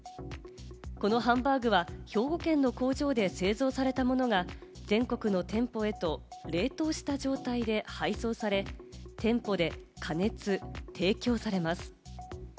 このハンバーグは兵庫県の工場で製造されたものが全国の店舗へと冷凍した状態で配送され店舗で加熱・提供されます。